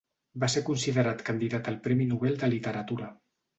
Va ser considerat candidat al Premi Nobel de Literatura.